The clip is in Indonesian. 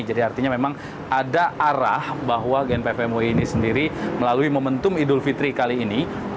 jadi artinya memang ada arah bahwa gmpf mui ini sendiri melalui momentum idul fitri kali ini